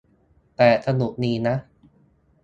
แต่สนุกดีนะ